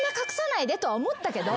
とは思ったけど。